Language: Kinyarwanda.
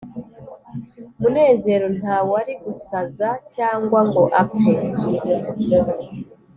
munezero Nta wari gusaza cyangwa ngo apfe